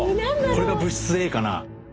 これが物質Ａかな？